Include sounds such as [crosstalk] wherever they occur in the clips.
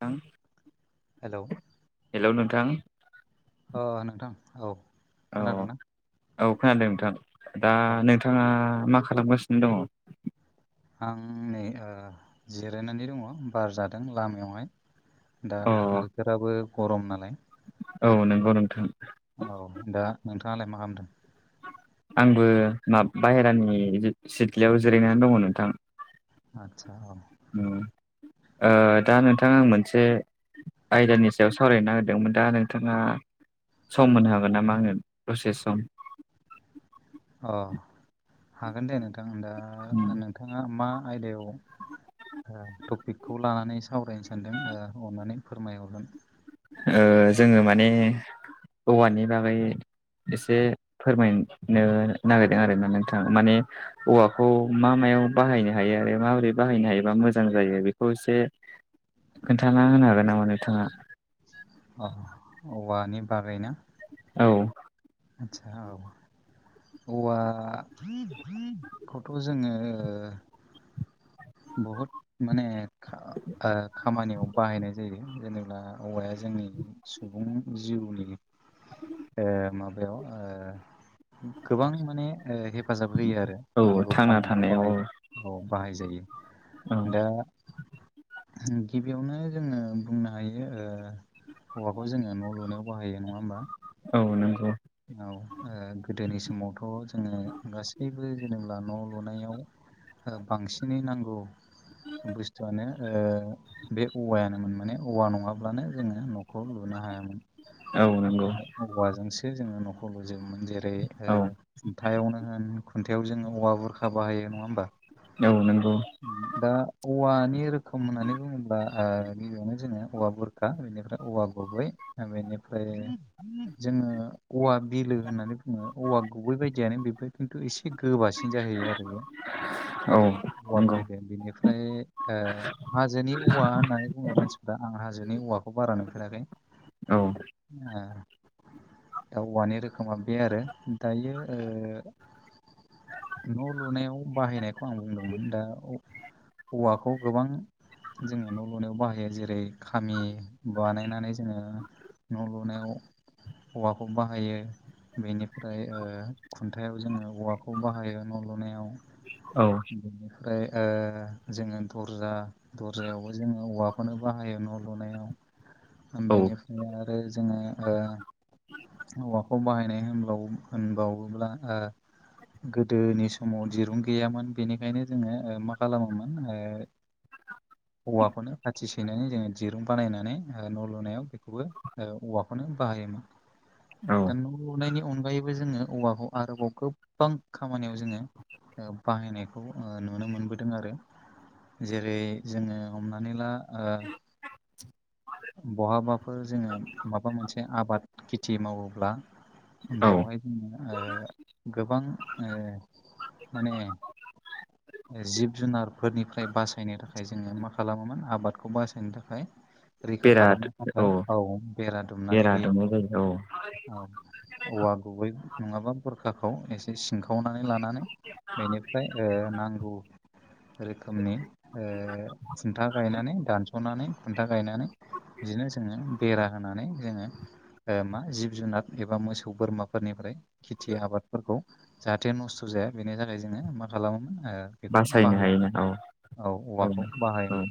थां hello hello नोंथां। ओ नोंथां औ औ खोनादोंना औ खोनादों नोंथां दा औ नोंथाङा मा खालामगासिनो दङ? आं नै ओ जिरायनानै दङ बार जादों लामायावहाय दा अ बोथोराबो गरम नालाय औ नंगौ नोंथां औ दा नोंथाङालाय मा खालामदों आंबो मा बाहेरानि जि सिदलियाव जिरायनानै दङ नोंथां आतसा औ उम ओ दा नोंथां आं मोनसे आयदानि सायाव सावरायनो नागिरदोंमोन दा नोंथाङा सम होनो हागोन नामा आंनो दसे सम अ हागोन दे नोंथां दा नोंथाङा मा आयदायाव ओ टपिकखौ लानानै सावरायनो सानदों ओ अन्नानै फोरमायहरगोन ओ जोङो माने औवानि बागै एसे फोरमायनो नागिरदों आरोना नोंथां माने औवाखौ मा मायाव बाहायनो हायो आरो माबोरै बाहायनो हायोबा मोजां जायो बेखौ एसे खोन्थाना होनो हागोन नामा नों थाङा अ औवानि बागैना औ आतसा औ औवा खौथ' जोङो बहुत माने खा ओ खामानियाव बाहायनाय जायो जेनेबा औवाया जोंनि सुबुं जिउनि ओ माबायाव ओ गोबां माने हेफाजाब होयो आरो औ नांगौ थांना खामानियाव थानायाव बाहाय औ औ बाहाय औ जायो दा गिबियावनो जोङो बुंनो हायो औवाखौ जोङो न' लुनायाव बाहायो नङा होमबा औ नंगौ औ गोदोनि समावथ' जोङो गासैबो बेबो जेनेब्ला ओ न' लुनायाव बांसिनै नांगौ बुस्थुआनो बे औवायानोमोन माने औवा नङाब्लानो जोङो न'खौ लुनो हायामोन औ नंगौ बे औवाजोंसो जोङो न'खौर लुजोबोमोन जेरै औ खुन्थायावनो होन खुन्थायाव जोङो औवा बुरखा बाहायो नङा होमबा औ नंगौ दा औवानि रोखोम होननानै बुङोब्ला गिबियावनो जोङो औवा बुर खा बेनिफ्राय औवा गुबै बेनिफ्राय जोङो औवा बिलो होननानै बुङो औवा गुबै बायदियानो बेबो खिन्थु एसे गोबासिन सिन जाहैयो आरो बियो औ औवा नंगौ फोरदों बेनिफ्राय हाजोनि औवा होननानै बुङो मानसिफोरा आं हाजोनि औवाखौ बारा नुफेराखै औ आ औवानि रोखोमा बे आरो दायो न' लुनायाव बाहायनायखौ आं बुंदोंमोन दा औवाखौ गोबां जोङो न' लुनायाव बाहेर जेरै खामि बानायनानै जोङो न' लुनायाव खौ बाहायो बेनिफ्राय खुन्थायाव जोङो औवाखौ बाहायो न' लुनायाव औ बेनिफ्राय ओ जोङो दर्जा दरजायावबो जोङो औवाखौनो बाहायो न' लुनायाव औ बेनिफ्राय आरो जोङो औवाखौ बाहायनाय होनबा होनबावोब्ला गोदोनि समाव दिरुं गैयामोन बेनिखायनो जोङो मा खालामोमोन औवाफोरनो खाथि सैनानै जोङो दिरुं बानायनानै आरो न' लुनायाव बेखौबो औवाखौनो बाहायोमोन औ दा न' लुनायनि अनगायैबो जोङो औवाखौ आरोबाव गोबां खामानियाव जोङो ओ बाहायनायखौ नुनो मोनबोदों आरो जेरै जोङो हमनानै ला बहाबाफोर जोङो माबा मोनसे आबादि खेथि मावोब्ला औ बेवहाय जोङो गोबां माने जिब जुनारफोरनिफ्राय बासायनो थाखाय जोङो मा खालामोमोन आबादखौ बासायनो थाखाय रैखा बेरा खालामनो औ थाखाय औाव बेरा दुमनानै बेरा दुमनाय होयोमोन जायो औ आरो औ औवा गुबै नङाबा बुरखाखौ एसे सिंखावनानै लानानै बेनिफ्राय नांगौ रोखोमनि खुन्था गायनानै दानस'नानै खुन्था गायनानै बिदिनो जोङो बेरा होनानै जोङो मा जिब जुनार एबा मोसौ बोरमाफोरनिफ्राय खेथि आबादफोरखौ जाहाथे नस्थ' जाया बेनि थाखाय जोङो मा खालामोमोन बेखौ बासायनो हायोना बाहायोमोन औ औ औवाखौ औ बाहायोमोन।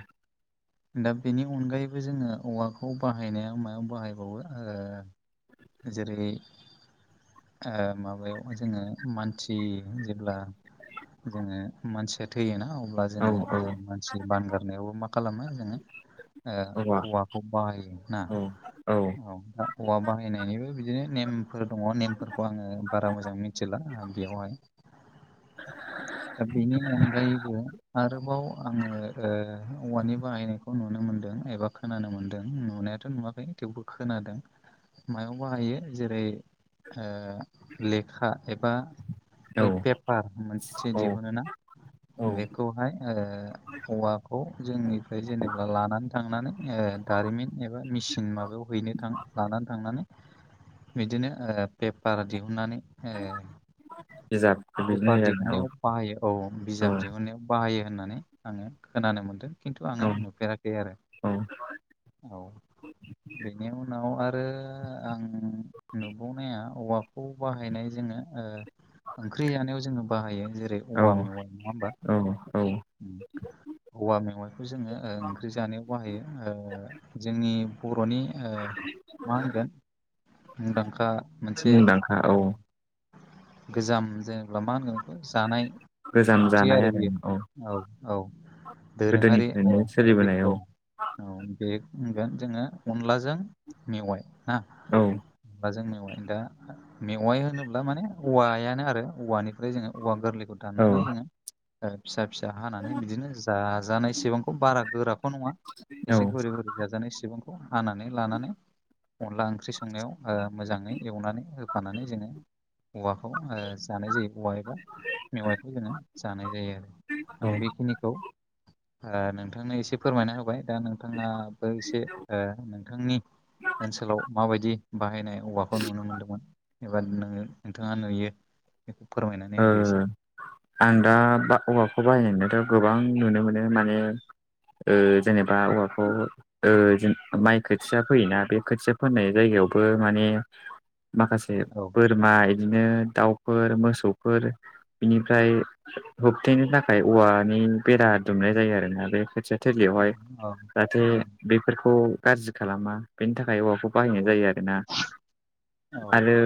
[unintelligible] दा बेनि अनगायैबो जोङो औवाखौ बाहायनाया मायाव बाहायबावो ओ जेरै माबायाव जोङो मानसि जेब्ला जोङो मानसिया थैयोना अब्ला औ जोङो औ मानसि बानगारनायावबो मा खालामो जोङो ओ औवा औवाखौ बाहायो ना। औ औ दा औवा बाहायनायनिबो बिदिनो नेमफोर दङ नेमफोरखौ आङो बारा मोजां मि मिथिला बेयावहाय दा बेनि अनगायैबो आरोबाव आङो औवानि बाहायनायखौ खौ नुनो मोन्दों एबा खोनानो मोन्दों नुनायाथ' नुवाखै थेवबो खोनादों मायाव बाहायो जेरै लेखा एबा औ बै पेपार मोनसे औ दिहुनो ना औ बेखौहाय ओ औवाखौ जोंनिफ्राय जेनेबा लानानै थांनानै दारिमिन एबा मेचिन माबायाव हैनो थां लानानै थांनानै बिदिनो पेपार दिहुननानै ओ बिजाब बिदिनो फेफार होयो दिहुननायाव बाहायो औ बिजाब आरो दिहुनायाव बाहायो होननानै आङो खोनानो मोन्दों खिन्थु औ आङो नुफेराखै आरो। औ औ बेनि उनाव आरो आं नुबावनाया औवाखौ बाहायनाय जोङो ओ ओंख्रि जानायाव जोङो बाहायो जेरै औ औवा मेवा नङा होमबा औ औ ओम औवा मेवाइखौ जोङो ओंख्रि जानायाव बाहायो ओ जोंनि बर'नि मा होनगोन मुंदांखा मोनसे मुंदांखा औ गोजाम जेनेबा मा होनगोन बेखौ जानाय ओंख्रि आरो बियो औ औ दोरोङारि गोदोनिफ्रायनो ओंख्रि सोलिबोनाय औ औ बे होनगोन जोङो अनलाजों मेवाइ ना औ [unintelligible] दा मेवाइ होनोब्ला माने औवायानो आरो। औवानिफ्राय जोङो औवा गोरलैखौ औ दाननानै जोङो फिसा फिसा हानानै बिदिनो जाजानाय सिबांखौ बारा गोराखौ नङा। औ एसे गुरै-गुरै जाजानाय सिबांखौ हानानै लानानै अनला ओंख्रि संनायाव ओ मोजाङै एवनानै होफानानै जोङो औवाखौ ओ। जानाय जायो औवा एबा मेवाइखौ जोङो जानाय जायो औ आरो आं बेखिनिखौ ओ नोंथांनो एसे फोरमायना होबाय दा नोंथाङाबो एसे ओ नोंथांनि ओनसोलाव माबायदि बाहायनाय औवाखौ नुनो मोन्दोंमोन एबा नोंथाङा नुयो बेखौ फोरमायनानै होदो एसे ओ आं दा औवाखौ बाहायनाय नुनायाथ' गोबां नुनो मोनो माने ओ जेनेबा औवाखौ ओ माइ खोथिया फैयोना बे खोथिया फोनाय जायगायावबो माने माखासे औ बोरमा इदिनो दाउफोर मोसौफोर बिनिफ्राय होबथेनो थाखाय औवानि बेरा दुमनाय जायो आरोना बे खोथिया औ थिलिवावहाय औ जाहाथे औ बे फोरखौ गाज्रि खालामा बेनि थाखाय औवाखौ बाहायनाय जायो आरो ना। औ आरो।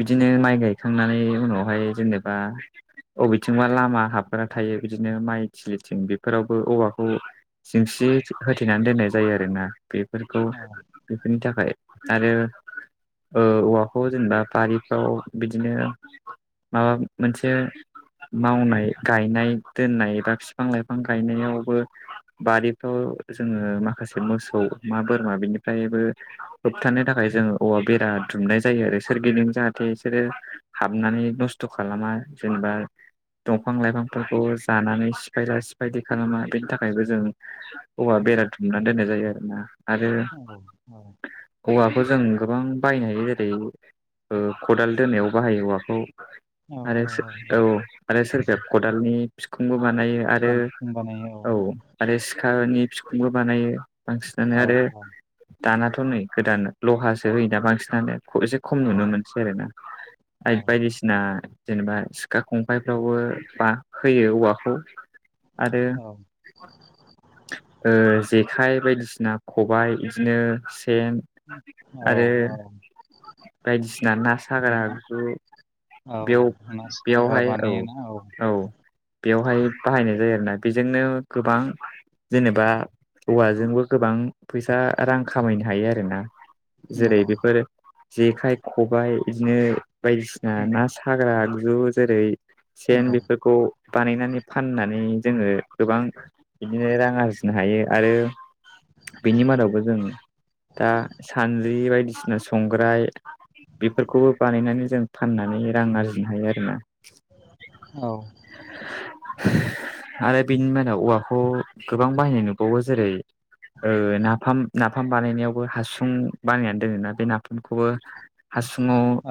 बिदिनो माइ गायखांनानै उनावहाय जेनेबा बबेथिंबा लामा हाबग्रा थायो बिदिनो माइ थिलिथिं बेफोरावबो औवाखौ जेंसि होथेनानै दोननाय जायो आरोना बेफोरखौ बेफोरनि थाखाय आरो। ओ औवाखौ जेनेबा बारिफ्राव बिदिनो माबा मोनसे एसे मावनाय गायनाय दोननाय एबा फिफां-लाइफां गायनायावबो बारिफ्राव जोङो माखासे मोसौ मा बोरमा बेनिफ्रायबो होबथानो थाखाय जोङो औवा बेरा दुमनाय जायो आरो सोरगिदिं जाहाथे बिसोरो हाबनानै नस्थ' खालामा जेनेबा दंफां लाइफांफोरखौ जानानै सिफायला सिफायलि खालामा बेनि थाखायबो जों औवा औ बेरा दुमनानै दोननाय जायो आरोना आरो औ औवाखौ जों गोबां बाहायनो हायो जेरै खदाल दोनायाव बाहायो औवाखौ औ औ आरो औ औ औ आरो सोरबाया खदालनि बिखुंबो बानायो आरो खदाल बिखुं बानायो औ आरो सिखानि बिखुंबो बानायो बांसिनानो औ आरो दानाथ' नै गोदान लहासो होयोना बांसिनानो खम औ नुनो मोनसै आरोना आरो बायदिसिना जेनेबा सिखा खंखायफ्रावबो बा होयो औवाखौ आरो औ ओ जेखाइ बायदिसिना खबाइ बिदिनो सेन औ आरो औ बायदिसिना ना साग्रा ना आगजु औ बेयाव ना साग्रा बेयावहाय औ बानायोना औ बेवहाय बाहायनाय जायो आरोना बेजोंनो गोबां जेनेबा औवाजोंबो गोबां फैसा रां खामायनो हायो आरोना जेरै औ बेफोर जेखाइ खबाय बिदिनो बायदिसिना उम ना साग्रा जु जेरै औ सेन बेफोरखौ बानायनानै फाननानै जोङो गोबां बिदिनो रां आरजिनो हायो आरो बेनि मादावबो जों दा सानद्रि बायदिसिना संग्राय बेफोरखौबो बानायनानै जों फाननानै रां आरजिनो हायो आरोना औ आरो बेनि मादाव औवाखौ गोबां बाहायनाय नुबावो जेरै ओ नाफाम नाफ नाफाम बानायनायावबो हासुं बानायनानै दोनोना बे नाफामखौबो हासुुंवाव औ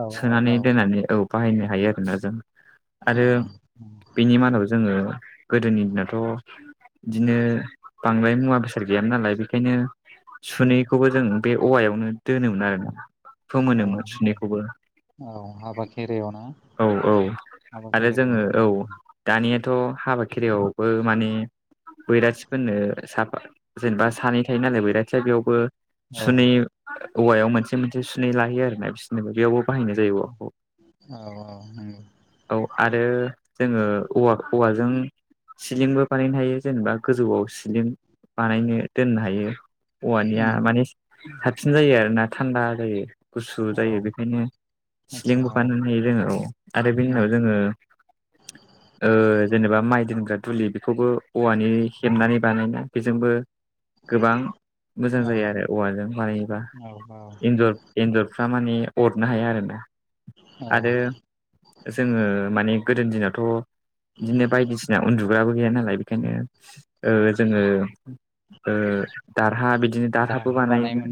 औ सोनानै दोननानै औ बाहायनो हायो आरोना जों आरो बिनि मादाव जोङो गोदोनि दिनाथ' बिदिनो बांद्राय मुवा बेसाद गैयामोन नालाय बेखायनो सुनैखौबो जों बे औवायावनो दोनोमोन आरोना औ फोमोनोमोन औ सुनैखौबो औ हाबा खेरायाव ना औ औ हाबा आरो खेराइफ्राव जोङो औ नुयोमोन दानियाथ' हाबा खेरयावबो माने बैराथिफोरनो साफा जेनेबा सानै थायो नालाय बैराथिया बेयावबो औ सुनै औवायाव मोनसे मोनसे सुनै लायो आरोना बिसिनिबो बेयावबो बाहायनाय जायो औवाखौ औ औ नंगौ औ आरो जोङो औवा औवाजों सिलिंबो बानायनो हायो जेनेबा गोजौआव सिलिं बानायनो दोननो हायो औवानिया उम माने साबसिन जायो आरोना थान्दा जायो गुसु औ जायो बेखायनो आदसा सिलिंबो औ बानायनो हायो जोङोऔ आरो बेनि उम उनाव जोङो [inaudible] ओ जेनेबा माइ दोनग्रा दुलि बेखौबो औवानि हेबनानै बानायना बेजोंबो गोबां मोजां औ जायो आरो औवाजों बानायोबा औ इन्जुर एन्जरफ्रा माने अरनो हाया आरोना औ आरो जोङो माने गोदोनि दिनावथ' बिदिनो बायदिसिना उन्दु माबबो गैया नालाय बेखायनो जोङो ओ दारहा बिदिनो दारहाबो बानायोमोन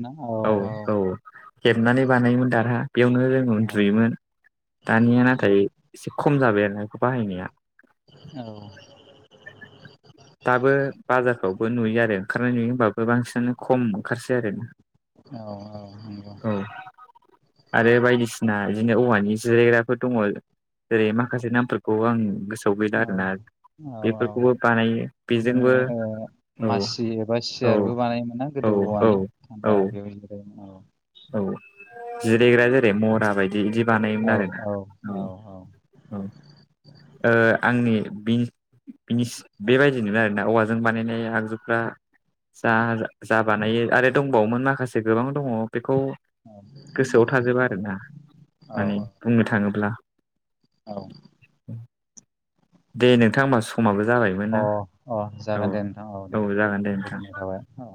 औ औ हेबनानै बानायोमोन दारहा बेयावनो जों औ उन्दुयोमोन दानिया नाथाय औ एसे खम जाबाय आरो बेखौ बाहायनाया औ [inaudible] दाबो बाजारफ्रावबो नुयो आरो ओंखारनाय नुयो होबाबो बांसिनानो खम ओंखारसै आरो ना। औ औ नंगौ आरो बायदिसिना बिदिनो औवानि जिरायग्राफोर दङ। जेरै माखासे नामफोरखौ आं गोसोआव गैला औ आरोना औ औ बेफोरखौबो बानायो बेजोंबो जोङो ओ औ मासि एबा औ सियारबो बानायोमोना औ गोदो औ औवानि दा औ बे औ औ जिरायग्रा जेरै मरा बायदि बिदि बानायोमोन आरोना औ औ ओ-आंनि बिनि बिनिस बेबायदि नो आरोना औवाजों बानायनाय आगजुफ्रा जा जा बानायो आरो दंबावोमोन माखासे गोबां दङ बेखौ। गोसोआव थाजोबा आरोना माने बुंनो थाङोब्ला। औ दे नोंथां होमबा समाबो जाबाय अ अ जागोन दे नोंथां अ औ दे जागोन दे नोंथां गोजोननाय थाबाय औ।